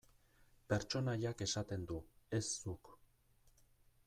Pertsonaiak esaten du, ez zuk.